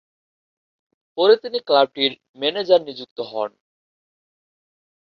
পরে তিনি ক্লাবটির ম্যানেজার নিযুক্ত হন।